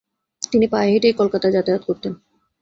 তিনি পায়ে হেঁটেই কলকাতায় যাতায়াত করতেন।